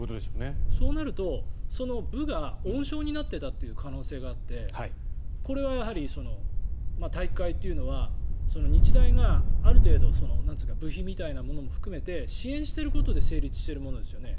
そうなるとその部が温床になっていたという可能性があってこれは体育会というのは日大がある程度部費みたいなものも含めて支援していることで成立しているものですよね。